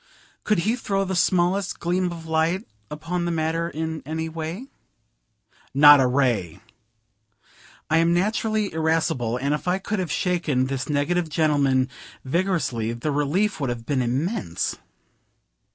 "Could he throw the smallest gleam of light upon the matter, in any way?" Not a ray. I am naturally irascible, and if I could have shaken this negative gentleman vigorously, the relief would have been immense.